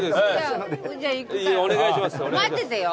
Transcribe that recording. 待っててよ。